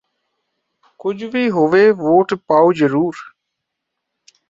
ਕੁੱਝ ਵੀ ਹੋਵੇ ਵੋਟ ਪਾਉ ਜ਼ਰੂਰ